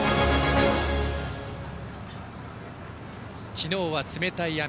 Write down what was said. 昨日は冷たい雨